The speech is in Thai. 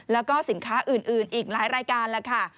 แล้วก็สินค้าอื่นอีกหลายรายการแล้วค่ะ